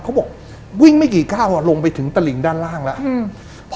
เขาบอกวิ่งไม่กี่ก้าวลงไปถึงตลิงด้านล่างแล้วอืม